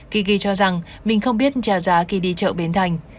tigi cho rằng mình không biết trả giá khi đi chợ bến thành